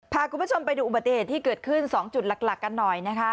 พาคุณผู้ชมไปดูอุบัติเหตุที่เกิดขึ้น๒จุดหลักกันหน่อยนะคะ